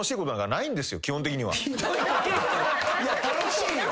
いや楽しいよ。